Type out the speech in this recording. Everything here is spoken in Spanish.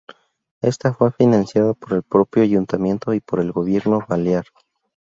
Ésta fue financiada por el propio Ayuntamiento y por el Gobierno Balear.